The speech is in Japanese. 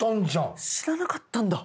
えっ知らなかったんだ。